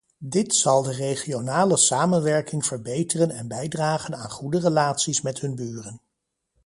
Dit zal de regionale samenwerking verbeteren en bijdragen aan goede relaties met hun buren.